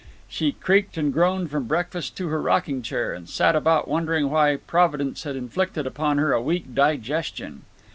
She creaked and groaned from breakfast to her rocking chair, and sat about wondering why Providence had inflicted upon her a weak digestion.